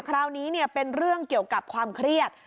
คราวนี้เป็นเรื่องเกี่ยวกับความเครียด